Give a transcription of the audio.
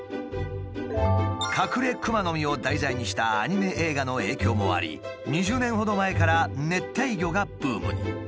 カクレクマノミを題材にしたアニメ映画の影響もあり２０年ほど前から熱帯魚がブームに。